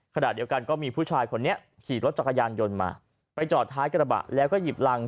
ขณะเดียวกันก็มีผู้ชายคนนี้ขี่รถจักรยานยนต์มาไปจอดท้ายกระบะแล้วก็หยิบรัง